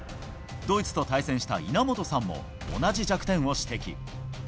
ドイツと対戦した稲本さんも、同じ弱点を指摘。